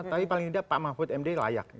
tapi paling tidak pak mahfud md layak